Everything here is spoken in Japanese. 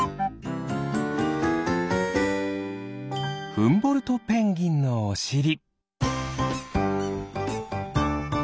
フンボルトペンギンのおしり。